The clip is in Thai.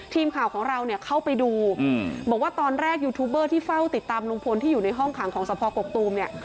ทีมข่าวของเราเนี่ยเข้าไปดูบอกว่าตอนแรกยูทูบเบอร์ที่เฝ้าติดตามลุงพลที่อยู่ในห้องขังของสภกกตูมเนี่ย